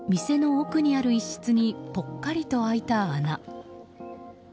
店の奥にある一室にぽっかりと開いた穴。